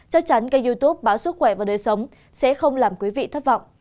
chắc chắn kênh youtube báo sức khỏe và đời sống sẽ không làm quý vị thất vọng